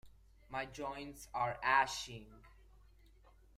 My joints are aching.